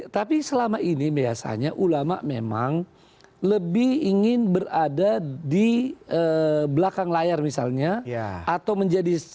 tapi selama ini biasanya ulama memang lebih ingin berada di belakang layar misalnya atau menjadi